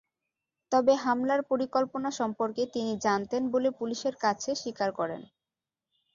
তবে হামলার পরিকল্পনা সম্পর্কে তিনি জানতেন বলে পুলিশের কাছে স্বীকার করেন।